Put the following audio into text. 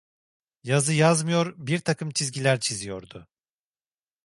Yazı yazmıyor, birtakım çizgiler çiziyordu.